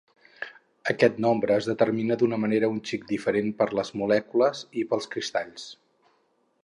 Aquest nombre es determina d'una manera un xic diferent per les molècules i pels cristalls.